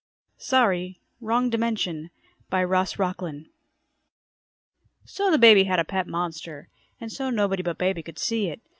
net SORRY: Wrong Dimension BY ROSS ROCKLYNNE _So the baby had a pet monster. And so nobody but baby could see it.